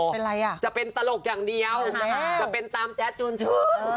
เป็นอะไรอ่ะจะเป็นตลกอย่างเดียวจะเป็นตามแจ๊ดจวนชื่น